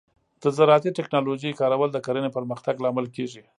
د زراعتي ټیکنالوجۍ کارول د کرنې پرمختګ لامل کیږي.